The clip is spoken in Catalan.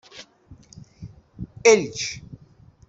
Ells.